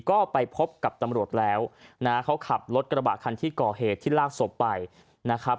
ก็ไปพบกับตำรวจแล้วนะเขาขับรถกระบะคันที่ก่อเหตุที่ลากศพไปนะครับ